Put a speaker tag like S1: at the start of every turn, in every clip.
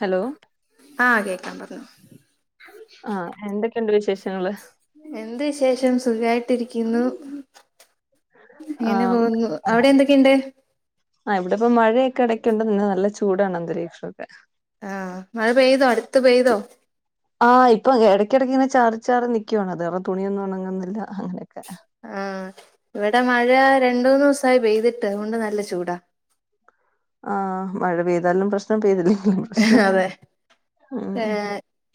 S1: Hello
S2: ആഹ് കേക്കാം പറഞ്ഞോ
S1: ആ എന്തൊക്കെയുണ്ട് വിശേഷ ഷങ്ങള്
S2: എന്ത് വിശേഷം സുഖായിട്ടിരിക്കുന്നു ങ്ങനെ
S1: ആഹ്
S2: പോകുന്നു അവിടെ എന്തൊക്കെയുണ്ട്
S1: ഇപ്പപ്പോ മഴയൊക്കെ ഇടക്കുണ്ട് ന്ന് നല്ല ചൂടാണ് അന്തരീക്ഷമൊക്കെ
S2: ആ മഴ പെയ്തോ അടുത്ത് പെയ്തോ
S1: ആഹ് ഇപ്പ ഇടക്കിടക്ക് ഇങ്ങനെ ചാറി ചാറി നിക്കുവാണ് അത് കരണ തുണിയൊന്നും ഉണങ്ങുന്നില്ല അങ്ങനെ
S2: ആഹ് ഇവിടെ മഴ രണ്ട മൂന്ന്സ് യി പെയ്തിട്ട് അതുകൊണ്ട് നല്ല ചൂടാ
S1: ആഹ് മഴ പെയ്താലും പ്രശ്നം പെയ്തില്ലേ
S2: അതെ ഏ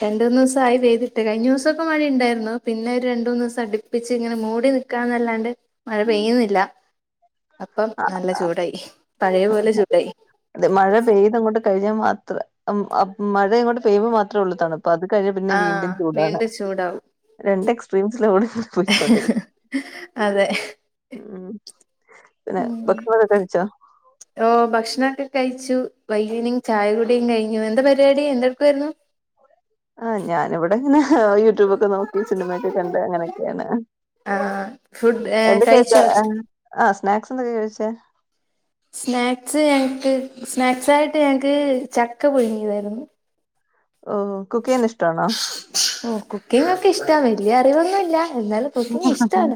S2: രണ്ടൂന്ന്വസായി പെയ്തി മറ്റേ കഴിഞ്ഞ ദിവസക്കെ മഴയുണ്ടായിരുന്നു പിന്നെ ഒരു രണ്ട മൂന്ന്സം അടിപ്പിച്ച് ഇങ്ങനെ മൂടി നൽക്കാന്നല്ലാണ്ട് മഴ പെയ്യുന്നില്ല അപ്പം
S1: ആ,
S2: നല്ല ചൂടായി പഴയ പോലെ ചൂടായി
S1: ത് മഴ പെയ്തങ്ങോട്ട് കഴിഞ്ഞാൽ മാത്ര അം അം മഴ ഇങ്ങോട്ട് പെയ്യുമ്പോ മാത്രേ ഉള്ള് തണ് പ്പ് അത് കഴിഞ്ഞ പിന്നെ വീണ്ടും
S2: ആഹ്
S1: ചൂടാണ്
S2: വീണ്ടും ചൂടാവും
S1: രണ്ട് എക്സ്ട്രീംസല പോയിക്കൊണ്ടി
S2: അതെ
S1: പിന്നെ
S2: ഉം
S1: ഭക്ഷണക്കെ കഴിച്ചോ
S2: ഓ ഭക്ഷണൊക്കെ കഴിച്ചു വയ്കിട്ട് ചായ കുടിയും കഴിഞ്ഞു എന്താ പരിപാടി എന്തൊടക്കായിരുന്നു
S1: ആ ഞാന ഇവിടെങ്ങനെ യൂട്യൂബൊക്കെ നോക്കി സിനിമയൊക്കെ കണ്ട് അങ്ങനെയൊക്കെയാണ്
S2: ആ ഫുഡ്
S1: എന്റെ
S2: കഴിച്ചോ
S1: [unintelligible] സ്നാക്സ് എന്തൊക്കെയ കഴിച്ചേ
S2: സ്നാക്സ് ഞങ്ങക്ക് സ്നാക്സ് ആയിട്ട് ഞങ്ങക്ക് ചക്ക പുഴുങ്ങിയതായിരുന്നു
S1: ഓ കുക്കിന്ന ഇഷ്ടണോ
S2: റ്റ വല്ല്യറിവൊന്നുല്ല എന്നാലും കുക്കിങ്ങ് ഇഷ്ടാണ്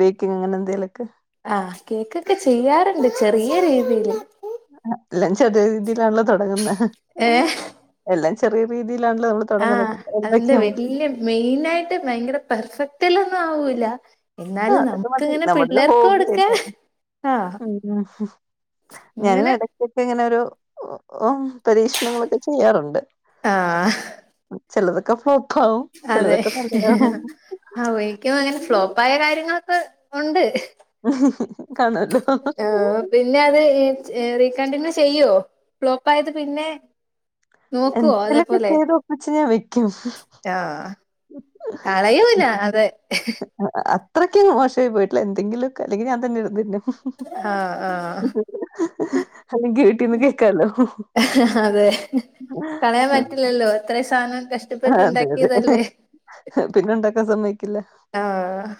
S1: ബേക്കിങ്ങനെന്തേലക്കെ
S2: ആ കേക്കൊക്കെ ചെയ്യാറുണ്ട് ചെറിയ രീതില്
S1: എല്ലാം ചെറിയ രീതിയിലാണല്ലോ തുടങ്ങുന്നത്
S2: ഏ
S1: എല്ലാം ചെറിയ രീ
S2: ആ അതിന്റെ വല്യ മെയിൻ ആയിട്ട് ഭയങ്കര പെർഫെക്റ്റ്ല്ല ഒന്നും ആവൂ ല്ല
S1: ആ അതക്കെ മതി നമ്മട ഹോബിയയിട്ട
S2: ആ
S1: ഞാനും
S2: ഇങ്ങനെ
S1: ഇടക്കൊക്കെ ഇങ്ങനെ ഒരു ഒഹ് ഒഹോ പരീക്ഷണങ്ങളൊക്കെ ചെയ്യാറുണ്ട്
S2: ആഹ്
S1: ചിലതൊക്കെ ഫ്ലോപ്പ് ആവും
S2: അതെ
S1: ചിലതൊക്കെ നല്ലതാവും
S2: ആ എനിക്കും അങ്ങനെ ഫ്ലോപ്പ് പയ കാര്യങ്ങൊക്ക ഉണ്ട്
S1: മ്
S2: ആ പിന്നെ അത് ഇ റീകണ്ടിന്യു ചെയ്യൂവോ ഫ്ലോപ്പായത് പിന്നെ നോക്കുവോ
S1: എന്തെങ്കലൊക്കെ
S2: അതേപോലെ
S1: ചെയ്ത് ഒപ്പിച്ച് ഞാൻ വെക്കും
S2: കളയുല അതേ
S1: അത്രയ്ക്കും മോശമായി പോയിട്ടില്ല എന്തെങ്കിലും ഒക്കെ അല്ലെങ്കീ ഞാൻ തന്നെ എടുത്ത് തിന്നും
S2: ആഹ് ആഹ്
S1: പിന്ന കേക്കാലോ
S2: അതെ കളയാൻ പറ്റില്ലല്ലോ ഇത്രയും സാധനം കഷ്ടപ്പെട്ട്
S1: അതെ അതെ
S2: ഉണ്ടാക്കിയതല്ലേ
S1: പിന്നെ ഉണ്ടാക്കാൻ സമ്മക്കുല
S2: ആഹ്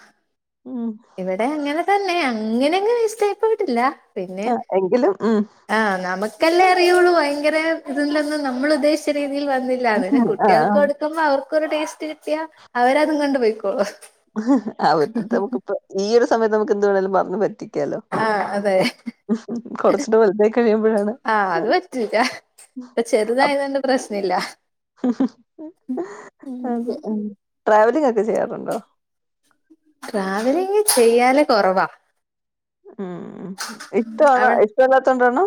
S2: ഇവിടെ അങ്ങനെ തന്നെയാണ് അങ്ങനെ അങ്ങ് വേസ്റ്റായി പോയിട്ടില്ല പിന്നെ
S1: ആ എങ്കിലും ഉം.
S2: ആ നമുക്കല്ലേ അറിയുള്ളൂ അ ങ്കര ഇതുണ്ടന്ന് നമ്മൾ ഉദ്ദേശിച്ച യിൽ വന്നില്ല അതിന്
S1: ആ, ആ.
S2: കുട്ടികൾക്ക് കൊടുക്കുമ്പോ അവർ ക്കൊരു ടേസ്റ്റ് യാ അവര് അതും കൊണ്ടു പോയിക്കോളും
S1: അവരുടെടുത്ത് നമുക്കിപ്പോ ഈ ഒരു സമയത്ത് നമുക്ക് എന്ത് വേണേങ്കിലും പറഞ്ഞു പറ്റി ട്ടിയാലോ
S2: ആഹ് അതെ
S1: കൊറച്ചൂടെ വലുതായി കിട്ടി
S2: ആ അത് പറ്റൂല്ല ഇപ്പൊ
S1: അപ്
S2: ചെറുതായത് കൊണ്ട്‌ പ്രശ് ഇല്ല ഉം
S1: അതെ മ് ട്രാവ [unintelligible] ചെയ്യാറുണ്ടോ
S2: ട്രാവലിങ് ചെയ്യാല് കൊറവാ
S1: ഉം ഇഷ്ടാണ് ഇഷ്ടല്ലതോണ്ടാണ്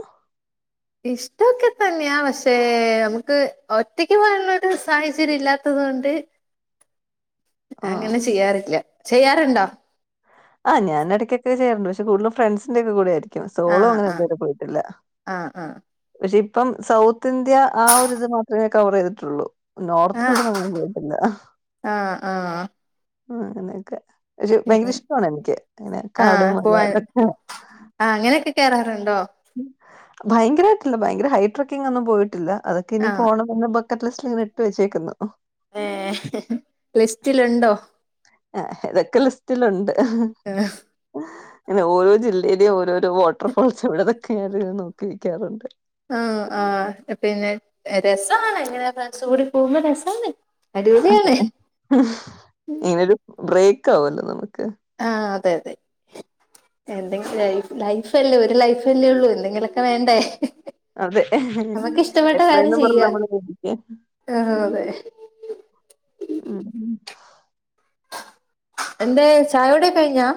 S2: ഇഷ്ടോക്കെ തന്നെയാ പക്ഷേ നമുക്ക് ഒറ്റക്ക് പോകനുള്ളൊരു സാഹചര്യം ഇല്ലാത്തത് കൊണ്ട് അങ്ങനെ ചെയ്യാറില്ല ചെയ്യാറ്ണ്ടോ
S1: ആ ഞാന് ഇടക്കൊക്കെ ചെയ്യാറുണ്ട് ബഷേ കൂട്തലും ഫ്രണ്ട്സിന്റെ ഒക്കെ കൂടെ ആ സോളോ
S2: ആഹ്
S1: അങ്ങനെ ഇത്
S2: ആഹ്
S1: വരെ പോയിട്ടില്ല
S2: ആഹ്
S1: പശെ ഇപ്പം സൗത്ത് ഇന്ത്യാ ആ ഒരിത് മാത്രമേ കവർയ്തിട്ടുള്ളൂ
S2: ആഹ്
S1: നോർത്തിലോട്ട് അങ്ങനെ പോയിട്ടില്ലാ
S2: ആഹ് ആഹ്
S1: ആ അങ്ങനെക്കെ ഒരു ഭയങ്കര
S2: ആഹ്
S1: ഇഷ് ട്ടമാണ് എനിക്ക് ഇങ്ങനെ കാട്,
S2: ആഹ്
S1: മല
S2: പോവാൻ
S1: ഇതൊക്കെ
S2: ആ അങ്ങനെയൊക്കെ [unintelligible]
S1: ഭയങ്കരായിട്ടില്ലാ ഭയങ്കര ഹൈ ട്രക്കിങ് ഒന്നും പോയിട്ടില്ല അതൊക്കെ ഇനി
S2: ആഹ്
S1: പോണം മുൻപ് [unintelligible] ഇങ്ങനെ ഇട്ട് വെച്ചേക്കുന്നു
S2: യെ ലിസ്റ്റിലുണ്ടോ
S1: ആ ഇതൊക്കെ ലിസ്റ്റിലുണ്ട് ഓരോ ജില്ലയിലെയും ഓരോരോ വാട്ടർ ഫോൾസ് ഇവിടെ [unintelligible] നോക്കി നിക്കാറുണ്ട്
S2: ആ ആ പിന്നെ രെസാണ് ഇങ്ങനെ ഫ്രണ്ട്‌സ് കൂടി പോകുമ്പോ രെസാണ്
S1: അതെ മ് ഇനിയെര് ബ്രേക്ക് [unintelligible] ഏ
S2: ആഹ് അതെ അതെ എന്തെങ്കിലും ലൈഫ് ലൈഫല്ലേ ഒരു ലൈഫല്ലേ ഒള്ളൂ എന്തെങ്കിലോക്കെ വേണ്ടേ.
S1: അതെ
S2: നമുക്ക് ഇഷ്ടപ്പെട്ട കാര്യം
S1: എത്രയെന്ന്‌ പറഞ്ഞാ
S2: ചെയ്യാ
S1: നമ്മള്
S2: ആഹ് അതെ
S1: [unintelligible] മ്
S2: എന്തെ ചായ കുടി കഴിഞ്ഞാ.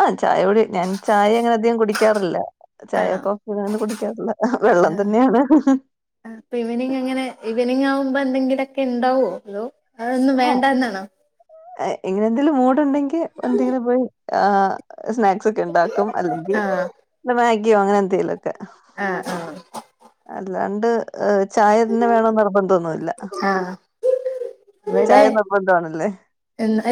S1: ആ ചായ കൂടി ഞാൻ ചായ അങ്ങനെ അധികം കൂടിക്കാറില്ല.
S2: ആണോ
S1: ചായക്കോ [unintelligible] കുടിക്കാറില്ല, വെള്ളം
S2: ആഹ്
S1: തന്നെയാണ്.
S2: അപ്പൊ ട്ടെക്കെ ഉണ്ടാവോ അതോ അതൊന്നും വേണ്ടന്നാണോ?
S1: ഇങ്ങനെന്തെലും മോ ട്ടുണ്ടെങ്കി എന്തെങ്കിലും പോയി ആ സ്നാക്സൊക്കെ ഇണ്ടാക്കും അല്ലെങ്കിൽ പിന്നെ മാഗി [unintelligible] അങ്ങനെ എന്തെലൊക്കെ.
S2: ആ ആ
S1: അല്ലാണ്ട് ഏ ചായ തന്നെ വേണോന്ന് നിർബന്ധോന്നു ന്നുല്ല,
S2: ആഹ്
S1: ചായ നിർബന്ധമാണല്ലേ.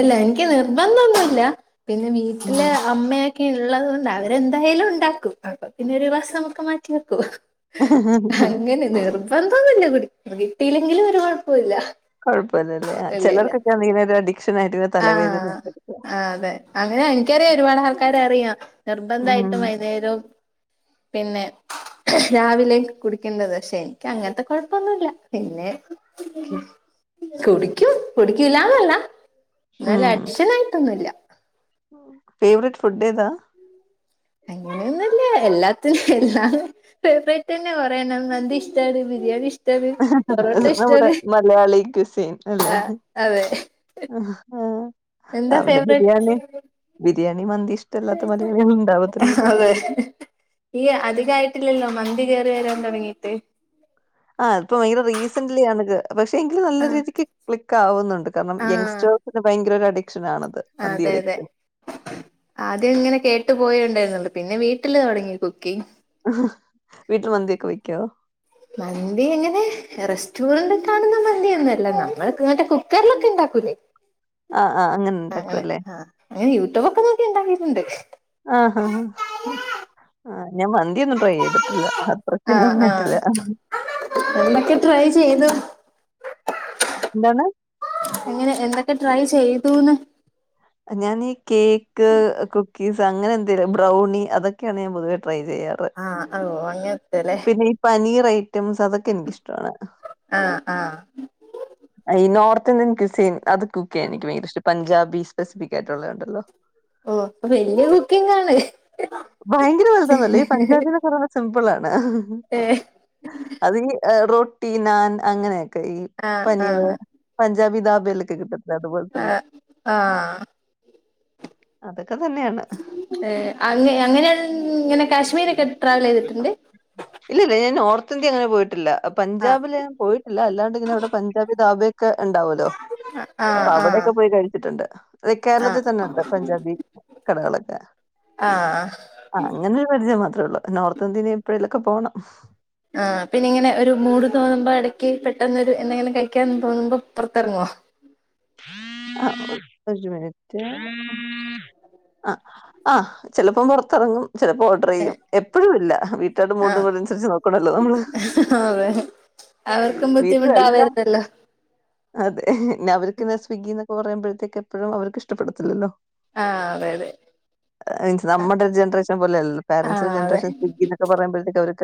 S2: ഇല്ല എനിക്ക് നിർബന്ധൊന്നുല്ല. പിന്നെ വീട്ടില് അമ്മയെ ക്കെ ഇള്ളത് കൊണ്ട് അവരെന്തായാലും ഉണ്ടാക്കും അപ്പ പിന്നെ ഒരു വസം നമുക്ക് മാറ്റി വെക്കും. അങ്ങനെ നിർബന്ധോന്നില്ല കു കിട്ടിയില്ലെങ്കിലും ഒരു കുഴപ്പോല്ല.
S1: കൊഴപ്പല്ലല്ലേ ചെലോർക്കൊക്കെ ആണെങ്കിൽ ഒര് അടി
S2: ആഹ് ആ അതെ അങ്ങനെ എനിക്കറിയാം ഒരുപാട് ആൾക്കാര അറിയാം
S1: ഉം
S2: നിർബന്ധമായിട്ടും വൈകുന്നേരവും പിന്നെ രാവിലെ കുടിക്കേണ്ടത് പക്ഷേ എനിക്ക് അങ്ങനത്തെ കുഴപ്പൊന്നുല്ല പിന്നെ കുടിക്കൂ കുടിക്കൂല്ലന്നല്ല. എന്നാൽ അടിഷനായിട്ടൊന്നുല്ല.
S1: ഫേവററ്റ് ഫുഡേതാ?
S2: അങ്ങനെയൊന്നുല്ല എല്ലാത്തിനും എല്ലാ ഫേവറേറ്റ് തന്നെ കൊറയെണം, മന്തി ഇഷ്ടട് ബിരിയാണി ഇഷ്
S1: നമ്മുടെ മലയാളി ക്രിസ്യൻ അല്ലേ.
S2: ആ അതെ എന്താ ഫേവററ്റ്സ്
S1: ബിരിയാണി മന്തി ഇഷ്ടമല്ലാത്ത മലയാളികൾ ഉണ്ടാവത്തില്ലല്ലോ
S2: അതെ ഈ അധികായിട്ടില്ലല്ലോ. മന്തി കേറി വരാൻ തുടങ്ങീട്ട്
S1: ആ ഇപ്പോ ഭയങ്കര റീസന്റ്ലി ആണ് കേ പക്ഷേ എങ്കിലും നല്ല
S2: ആ
S1: രീതിക്ക് ക്ലിക് ക്കാവുന്നുണ് കാരണം
S2: ആ
S1: യങ്സ്റ്റേഴസിന് ഭയങ്കര അഡിക്ഷൻ ആണത് മന്തി
S2: അതെ അതെ
S1: അഡിക്ഷൻ
S2: ആദ്യം ഇങ്ങനെ കേട്ട് പോയ ഉണ്ടായിരുന്നുള്ള പിന്നെ വീട്ടില് തുടങ്ങി കുക്കിംഗ്
S1: വീട്ടില് മന്ദിയൊക്കെ വെക്കോ
S2: മന്തി എങ്ങനെ റെസ്റ്റോറന്റ് കാണുന്ന മന്തി ഒന്നല്ല നമ്മൾ ഇങ്ങ കുക്കറിലൊക്കെ ഉണ്ടാക്കൂലേ
S1: ആ ആ ഉണ്ടാക്കും
S2: അങ്ങനെ
S1: അല്ലേ
S2: ആ അങ്ങനെ യൂട്യൂബ ഒക്കെ നോക്കി ഉണ്ടാക്കിട്ടുണ്ട്
S1: ആഹാ. ആ ഞാൻ മന്തിൊന്നും ട്രൈ ചെയ്തിട്ടില്ല അത്രക്കെ ഒന്നും
S2: ആഹ് ആഹ്
S1: വന്നിട്ടില്ല
S2: എന്തൊക്കെ ട്രൈ ചെയ്തു
S1: എന്തോന്ന
S2: അങ്ങനെ എന്തൊക്കെ ട്രൈ ചെയ്തുന്ന്
S1: ഞാാനീഈ കേക്ക് കുക്കീസ് അങ്ങനെ എന്തെലും ബ്രൗണി അതൊക്കെയാണ് ഞാൻ പൊതുവെ ട്രൈചെയർ
S2: ആഹ് ഓ അങ്ങനത്തെല്ലേ
S1: ഐംസ് അൊക്കെ എനിക്കഷ്ടം
S2: ആഹ് ആഹ്
S1: ോർ [unintelligible] അത് കുക്ക് ചെയ്യൻ എനിക്ക് ഭയങ്കര ഇഷ്ടം പഞ്ചാബീ റസ്പ്പിക്കായിട്ടുള്ളത് ഉണ്ടല്ലോ
S2: ഓ വലിയ ബുക്കിങ് ആണല്ലേ
S1: ഭയങ്കര ആഹ് അത് ഈ റൊ ട്ടി, നാൻ അങ്ങനെ ക്കെ ഈ
S2: ആഹ്
S1: പനീറ്
S2: ആഹ്
S1: പൻ ഞ്ചാബി ദബേലൊക്കെ കിട്ടു ലതു പോലതന്നെ
S2: ആ
S1: അതൊക്കെ തന്നെയാണ്.
S2: ഏ അങ്ങെ അങ്ങനെയങ്ങനെ കാശ്മീരൊക്കെ ട്രാവലീതിട്ട്ണ്ട്?
S1: ഇല്ലില്ല ഞാൻ നോർത്ത് ഇന്ത്യ അങ്ങനെ പോയിട്ടില്ല
S2: ആഹ്
S1: പഞ്ചാബില് ഞാൻ പോയിട്ടില്ല അല്ലാണ്ടിങ്ങനെ അവിടെ പഞ്ചാബി ദബെ ക്കെ ഇണ്ടാവൂല്ലോ
S2: ആഹ്
S1: അപ്പൊ
S2: ആഹ്
S1: അവിടെക്കെ പോയി കഴിച്ചിട്ടുണ്ട് അത് കേരളത്തിൽ
S2: ആഹ്
S1: തന്നെ ഉണ്ട് പഞ്ചാബി കടകള് [unintelligible]
S2: ആഹ്
S1: അങ്ങനെ ഒരു പരിജയം മാത്ര ള്ളു നോർത്ത് ഇന്ത്യനി പ്പെഴേലൊക്കെ പോണം
S2: ആ പിന്നെ ഇങ്ങനെ ഒരു മൂട് തോന്നുമ്പോ എടക്ക് പെട്ടെന്നൊരു എന്തെങ്കിലും കഴിക്കാന്ന് തോന്നുമ്പോ പൊറത്തെറങ്ങോ?
S1: ആ ഒരു മിനിറ്റേ ആ ആ ചെലപ്പം പൊറത്തെറങ്ങും ചെലപ്പോ ഓർഡറീയും എപ്പഴും ഇല്ല വീട്ടാരുടെ മൂടു
S2: ആഹ്
S1: കൂടി അനുസരിച്ച് നോക്കണല്ലോ നമ്മള്
S2: അതെ അവർക്കും
S1: വീട്ടില്ലെല്ലാ
S2: ബുദ്ധിമുട്ടാവരുതല്ലോ
S1: അതെ നാ ക്കുന്നേ സ്വിഗ്ഗിന്ന് പറയുമ്പഴത്തേക്കും എപ്പഴും അവർക്ക് ഇഷ്ടപ്പെടത്തില്ലോ
S2: ആഹ് അതെ
S1: ൻസ് നമ്മുടെ ജനറേഷൻ പോലെ അല്ലല്ലോ പേരെന്റ്സിന്റെ
S2: അതെ
S1: ജനറേഷൻ സ്വിഗ്ഗി എന്നൊക്കെ പറയുമ്പോഴത്തേക്കും അവര്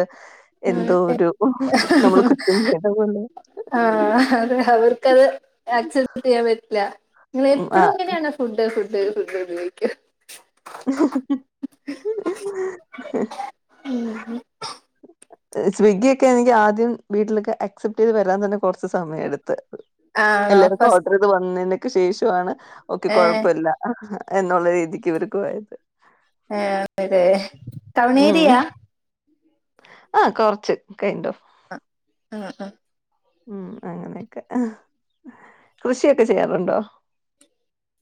S2: ആഹ്
S1: നമ്മൾ കുറ്റം
S2: [unintelligible]
S1: ചെയ്ത പോലെ
S2: ആഹ് അതെ അവർക്കത് ആക്സെപ്റ്റ് ചെയ്യാൻ പറ്റ് [unintelligible] ന്നെ
S1: ഉം,
S2: എപ്ളും അങ്ങനെയാണ് ഫുഡ് ഫുഡ് ന്തേലും ഫുഡ്‌ [unintelligible] ക്കാ
S1: ആ
S2: ഉം ഉം
S1: സ്വിഗ്ഗിക്കെ അനിങ്കി ആദ്യം വീട്ടിലക്കെ ആക്സെപ്റ്റീത് വരാൻ തന്നെ കൊറച്ച് സമയെടു ത്ത്
S2: ആണോ
S1: എല്ലാരുക്കും
S2: ഫസ്
S1: ഓഡ്റീത് വന്നേനെ ക്ക് ശേഷാണ് ഓക്കെ
S2: ഏഹ്
S1: കൊഴപ്പില്ല എന്നുള്ള രീതിക്ക് ഇവര്ക്ക് [unintelligible]
S2: ആഹ് അതെ ടൗൺ ഏരിയാ
S1: ആഹ് കൊറച്ച് കൈൻഡ് ഓഫ്
S2: ആഹ് ആഹ്.
S1: ഉം അങ്ങനെയൊക്കെ ആ കൃഷിയൊക്കെ ചെയ്യാറുണ്ടോ?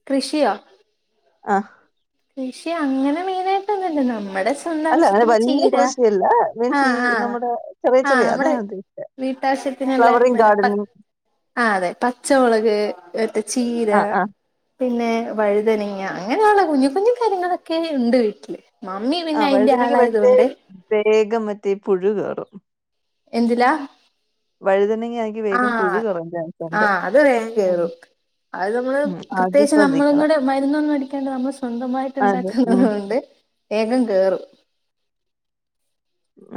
S2: കൃഷിയോ?
S1: ആഹ്.
S2: കൃഷി അങ്ങനെ മെയിനായിട്ടൊന്നുല്ല നമ്മുടെ സ്വന്ത
S1: അല്ല അങ്ങനെ
S2: ആവശ്യത്തിന്
S1: വലിയ
S2: ചീര,
S1: കൃഷിയല്ല മീൻസ് ഈ
S2: ആഹ് ആഹ്
S1: നമ്മുടെ ചെറിയ
S2: ആഹ്
S1: ചെറിയ അതാ
S2: നമ്മടെ
S1: ഞാൻ ഉദ്ദേശിച്ചെ.
S2: വീട്ടാവശ്യത്തിനുള്ള
S1: ഫ്ലവറിങ് ഗാർഡനിങ്
S2: ആഹ് അതെ പച്ചമുളക്, മറ്റേ ചീര,
S1: ആ ആ
S2: പിന്നെ വഴുതനങ്ങ അങ്ങനെയാണേ കുഞ്ഞു കുഞ്ഞു കാര്യങ്ങളൊക്കെ ഉണ്ട് വീട്ടില്. മമ്മി
S1: ആ
S2: പിന്നെ അയിന്റെ
S1: വഴുതനക്ക് പക്ഷേ
S2: ആളായതുകൊണ്ട്
S1: വേഗം മറ്റേ പുഴു കേറും.
S2: എന്തിലാ?
S1: വഴുതനങ്ങ ആണെങ്കി വേഗം
S2: ആഹ്
S1: പുഴു കേറാൻ
S2: ആ
S1: ചാൻസുണ്ട്.
S2: അത് വേഗം കേറും അത് നമ്മള്
S1: ഉം അത്
S2: പ്രത്യേകിച്ച് നമ്മളും
S1: ശ്രദ്ധിക്കണം.
S2: കൂടെ മരുന്നൊന്നും അടിക്കാണ്ട് നമ്മൾ സ്വന്തമായിട്ട്
S1: അതെ.
S2: ഉണ്ടാക്കുന്നത്
S1: ഉം.
S2: കൊണ്ട് വേഗം കേറും.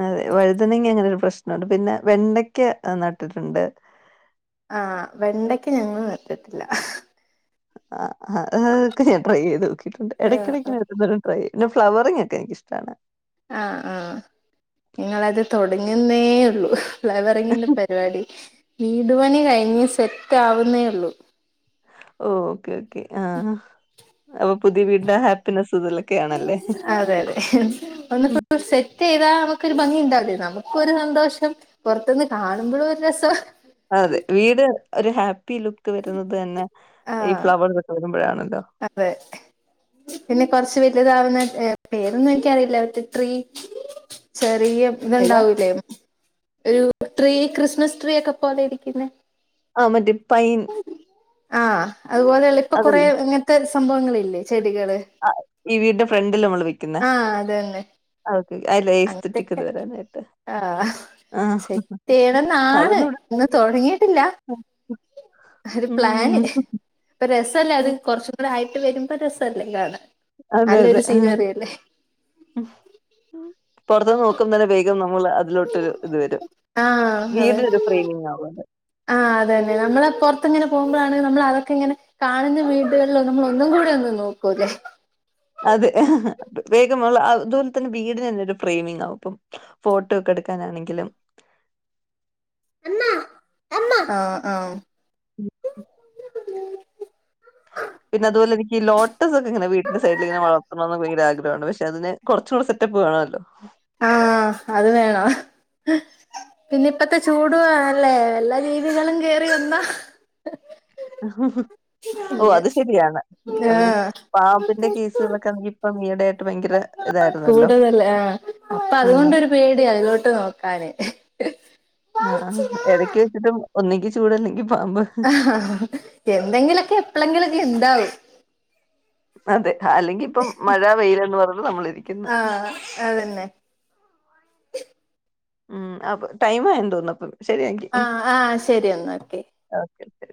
S1: അതെ വഴുതനങ അങ്ങനൊരു പ്രശ്നുണ്ട് പിന്നെ വെണ്ടക്ക നട്ടിട്ടുണ്ട്.
S2: ആഹ് വെണ്ടക്ക ഞങ്ങള് നട്ടിട്ടില്ല.
S1: [unintelligible] ട്രൈ ചെയ്ത് നോക്ക്‌
S2: ആ
S1: എടക്കെടക്ക്
S2: ആ
S1: [unintelligible] ട്രൈ പിന്നെ ഫ്ലവറിംഗ് ഒക്കെ എനിക്കിഷ്ടാണ്.
S2: ആഹ് ആഹ് ഞങ്ങളത് തൊടങ്ങുന്നേ ഉള്ളൂ. ഫ്ലവറിങ്ങിന്റെ പരിപാടി. വീടുപണി കഴിഞ്ഞ് സെറ്റ് ആവുന്നേ ഉള്ളു
S1: ഓഹ് ഓക്കേ ഓക്കെ ആ അപ്പൊ പുതിയ വീടിന്റെ ഹാപ്പിനെസ് ഇതിലൊക്കെയാണല്ലേ?
S2: അതെ യതെ
S1: ഉം.
S2: ഒന്ന്പ്പോ സെറ്റ് ചെയതാ ന ഒരു ഭംഗി ഉണ്ടാവില്ലേ നമുക്കൊരു സന്തോഷം പൊർത്ത്ന്ന് കാണുമ്പോളൊരു രസം
S1: അതെ വീട് ഒരു ഹാപ്പി ലുക്ക് വരുന്നത് തന്നെ ഈ
S2: ആഹ്
S1: ഫ്ലവറിതൊക്കെ [unintelligible]
S2: അതെ പിന്നെ കൊറച്ച് വെല്ലുതാ ന്ന ഏ പേരൊന്നു എനിക്കറില്ല മറ്റേ ട്രീ ചേ [unintelligible] ഫ്രീയം
S1: ഏതാ?
S2: ഇത്ണ്ടാവൂലേ ഒരു ട്രീ ക്രിസ്മസ് ട്രീ ഒക്കെ പോലെ ഇരിക്കുന്നേ
S1: ആ മതിം പയ്ൻ
S2: ആ അതുപോലെയുള്ള ഇപ്പൊ കൊറേ ഇങ്ങൻത്തെ സ് ഭവങ്ങളി ല്ലേ
S1: ആ ഈ വീടിന്റെ ഫ്രണ്ടില് നമ്മള് വെക്കുന്ന ക്കെ
S2: അങ്ങൻതെക്കെ ആ
S1: ആ.
S2: സെറ്റെയ്യണന്നാണ്
S1: അതൊന്നും ഇവിടെ ട്രൈ
S2: ഇന്ന്
S1: ചെയ്ത്.
S2: തൊടങ്ങിട്ടില്ല ഒരു പ്ലാന്
S1: ഉം.
S2: ഒരുരസല്ലത് കൊറച്ചും കൂടെ ആയി വരുമ്പോ രസല്ലേ കാണാൻ
S1: അതെ യതെ
S2: നല്ലൊരു
S1: ആ
S2: സീനറി അല്ലേ
S1: പൊർത്തുന്ന് നോക്കും തന്നെ വേഗം നോ മുല അതിലോട്ടൊരു ഇത് വരും വീടിനൊരു പ്രെമിങ് ആവുത്
S2: ആ അതെന്നെ നമ്മൾ പൊർത്ത് ങ്ങനെ പോകുമ്പോളാണ് നമ്മൾ അതൊക്കെ ഇങ്ങനെ കാണുന്ന വീടുകളിലൊക്കെ നമ്മൾ ഒന്നും കൂടിയൊന്ന് നോക്കും ല്ലെ
S1: അതെ വേഗമുള്ള അതുപോലെ തന്നെ വീടിന് ഒരു ഫ്രെയിമിങ് ആകും ഇപ്പം ഫോട്ടോ ഒക്കെ എടുക്കാനാണെങ്കിലും
S2: ആ ആ
S1: പിന്നെ അതുപോലെ എനിക്ക് ഈ ലോ [unintelligible] ഇങ്ങനെവീട്ടി ന്റെ സൈഡിൽഇ ങ്ങന വളർത്തണതും [unintelligible] ലാണ് പക്ഷെ അതിനെ കൊർച്ചൂടെ സെറ്റപ്പ് വേണല്ലോ
S2: ആ അത് വേണം പിന്നെ ഇപ്പ ത്തെ ചൂട വല്ലേ വല്ല ജീവകളും കേറി വന്നാ
S1: ഓ
S2: ഇങ്ങ്
S1: അത് ശെരിയാണ് പിന്നെ
S2: ആഹ്
S1: പാമ്പിന്റെ കേസുകളൊക്കെ ഇപ്പ ഈയിടെ ആയി
S2: കൂടുതല് ആ ഇപ്പ
S1: ഉം
S2: ത്കൊണ്ടൊരു പേടിയ അതിലോട്ട് നോക്കാന്
S1: ആ എടക്ക് വച്ചിട്ടും ഒന്നെങ്കി ചൂട അല്ലെങ്കി പാമ്പ്
S2: എന്തെങ്കിലൊക്കെ എപ്പളെങ്കിലൊക്ക ഇണ്ടാവും
S1: അതെ അല്ലെങ്കി ഇപ്പം മഴ വെയിൽ എന്ന് പറഞ്ഞ് നമ്മൾ ഇരിക്ക്ന്ന്
S2: ആഹ് അതന്നെ
S1: ഉം അപ്പം ടൈം വേണം തോന്ന്ന്ന് അപ്പം ശരിയെങ്കി
S2: ആ ആ ശരി എന്നാ ഓക്കെ
S1: ഓക്കെ ശരി